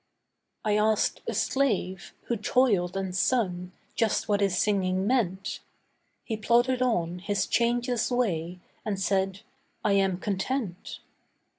I asked a slave, who toiled and sung, just what his singing meant. He plodded on his changeless way, and said, 'I am content.